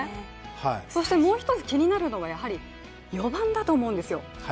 もう一つ気になるのが４番だと思うんですよ。